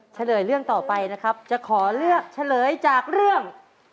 เฉลยเรื่องต่อไปนะครับจะขอเลือกเฉลยจากเรื่อง